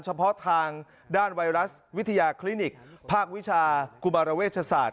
เฉพาะทางด้านไวรัสวิทยาคลินิกภาควิชากุมารเวชศาสตร์